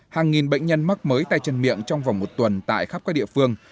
hàng nghìn bệnh nhân mắc mới tay chân miệng trong vòng một tuần tại khắp các địa phương